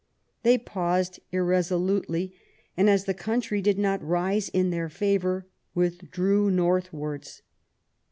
They paused irresolutely, and as the country did not rise in their favour, withdrew northwards.